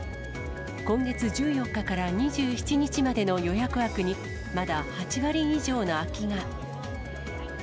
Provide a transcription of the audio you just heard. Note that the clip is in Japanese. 今月１４日から２７日までの予約枠に、まだ８割以上の空きが。